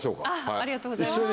ありがとうございます。